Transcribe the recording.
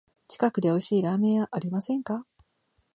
近くでおいしいラーメン屋ありませんか？